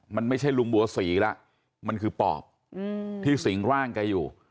มันไม่ใช่ลุงบัวศรีแล้วมันคือปอบที่สิงร่างแกอยู่